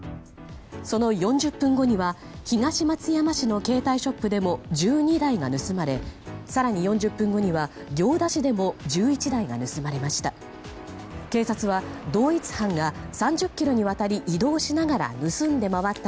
その４０分後には東松山市の携帯ショップでも１２台が盗まれ更に４０分後には行田市でも１１台が盗まれました。